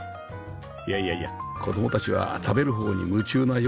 いやいやいや子供たちは食べる方に夢中なようですね